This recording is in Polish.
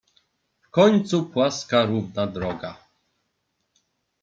"W końcu płaska równa droga."